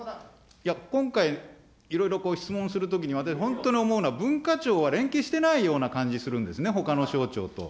今回、いろいろ質問するときに、私、本当に思うのは、文化庁は連携してないような感じするんですね、ほかの省庁と。